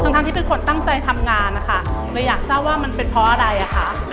ทั้งที่เป็นคนตั้งใจทำงานแต่อยากทราบว่ามันแปลว่าอะไร